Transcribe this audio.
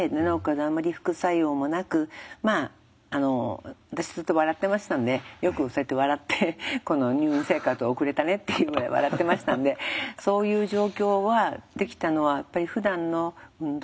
あんまり副作用もなくまああの私ずっと笑ってましたんでよくそうやって笑ってこの入院生活送れたねっていうぐらい笑ってましたんでそういう状況はできたのはやっぱりふだんの運動